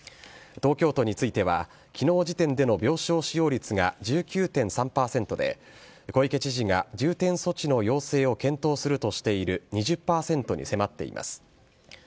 東京都については、きのう時点での病床使用率が１９．３％で、小池知事が重点措置の検討を適用するとして、２０％に迫っています。